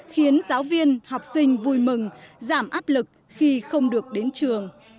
khiến giáo viên học sinh vui mừng giảm áp lực khi không được đến trường